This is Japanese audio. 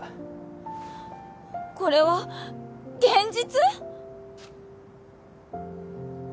これは現実！？